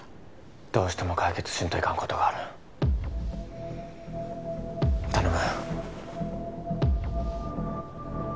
どうしても解決しんといかんことがある頼む